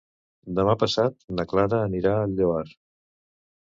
Demà passat na Clara anirà al Lloar.